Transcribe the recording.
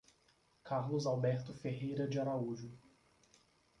Carlos Alberto Ferreira de Araújo